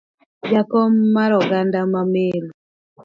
Jakom mar oganda ma Meru,